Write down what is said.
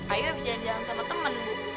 ayu berjalan jalan sama temen bu